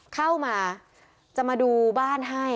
เข้ามาจะมาดูบ้านให้